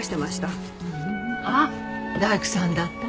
ああ大工さんだった？